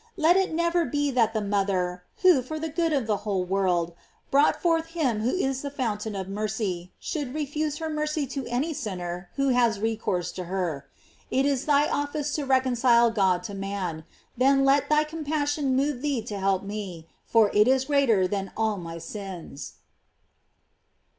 Let it never be that the mother, who, for the good of the whole world, brought forth him who is the fountain of mercy, should refuse her mercy to any sinner who has recourse to her. It is is thy office to reconcile God to man; let then thy compassion move thee to help me, for it is greater than all my sins.